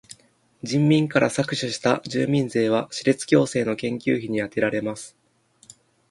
人民から搾取した住民税は歯列矯正の研究費にあてられます。